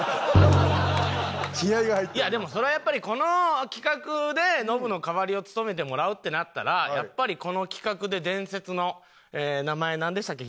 いやでもそれはやっぱりこの企画でノブの代わりを務めてもらうってなったらやっぱりこの企画で伝説の名前なんでしたっけ？